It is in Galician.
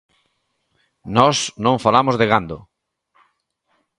Nós non falamos de gando.